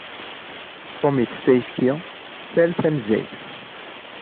Tom itess ayefki tal tanezzayt.